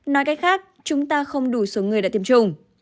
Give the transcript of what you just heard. nói cách khác chúng ta không đủ số người đã tiêm chủng